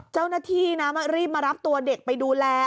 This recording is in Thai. เจ้าหน้าที่นะรีบมารับตัวเด็กไปดูแล